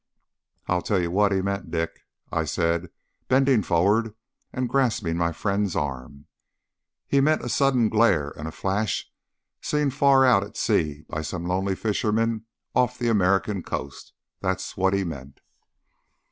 "I'll tell you what he meant, Dick," I said, bending forward and grasping my friend's arm. "He meant a sudden glare and a flash seen far out at sea by some lonely fisherman off the American coast. That's what he meant."